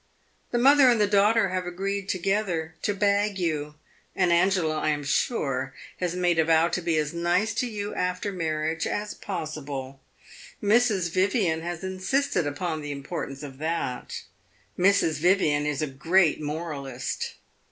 "The mother and daughter have agreed together to bag you, and Angela, I am sure, has made a vow to be as nice to you after marriage as possible. Mrs. Vivian has insisted upon the importance of that; Mrs. Vivian is a great moralist."